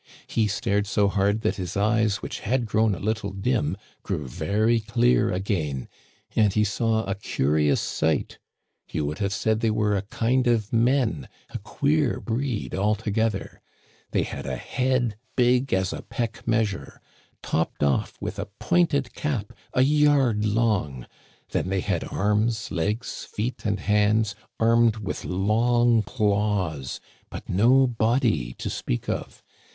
He stared so hard that his eyes which had grown a little dim grew very clear again, and he Digitized by VjOOQIC A NIGHT WITH THE SORCERERS. 41 saw a curious sight ; you would have said they were a kind of men, a queer breed altogether. They had a head big as a peck measure, topped off with a pointed cap a yard long; then they had arms, legs, feet, and hands armed with long claws, but no body to speak of.